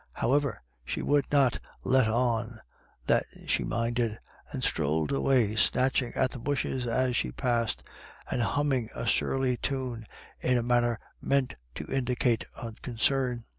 However, she would not BETWEEN TWO LAD Y DA YS. 219 *let on" that she minded, and strolled away, snatching at the bushes as she passed, and hum ming a surly tune in a manner meant to indicate unconcern.